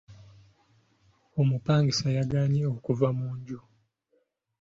Omupangisa yagaanye okuva mu nnyumba.